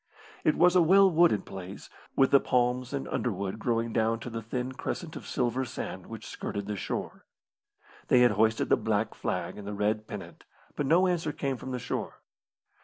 It was a well wooded place, with the palms and underwood growing down to the thin crescent of silver sand which skirted the shore. They had hoisted the black flag and the red pennant, but no answer came from the shore.